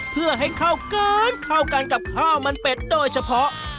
เพื่อให้เข้ากันเข้ากันกับข้าวมันเป็ดโดยเฉพาะ